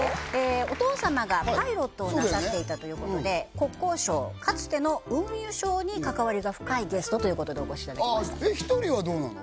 お父さまがパイロットをなさっていたということで国交省かつての運輸省に関わりが深いゲストということでお越しいただきましたでひとりはどうなの？